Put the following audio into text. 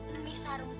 ini sarung diju